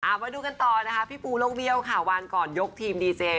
มาดูกันต่อนะคะพี่ปูโลกเบี้ยวค่ะวันก่อนยกทีมดีเจ